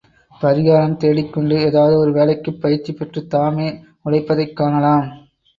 பரிகாரம் தேடிக்கொண்டு, ஏதாவது ஒரு வேலைக்குப் பயிற்சி பெற்றுத் தாமே உழைப்பதைக்காணலாம்.